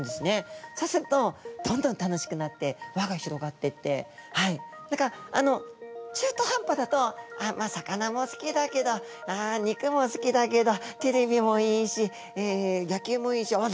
そうするとどんどん楽しくなって輪が広がってってだからあの中途半端だと「まあ魚も好きだけどあ肉も好きだけどテレビもいいしえ野球もいいしあっ